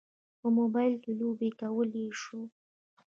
په موبایل کې لوبې کولی شو.